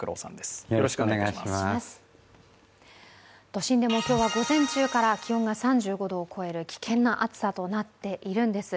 都心でも今日は午前中から気温が３５度を超える危険な暑さとなっているんです。